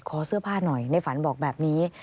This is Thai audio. ขอเสื้อผ้าหน่อยในฝันบอกแบบนี้